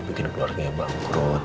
bikin keluarganya bangkrut